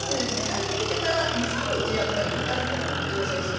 帰ってきてから２３日やっぱりかかると思うんです調整するの。